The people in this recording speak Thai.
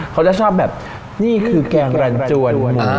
เขาจะชอบแบบนี่คือแกงรันจวน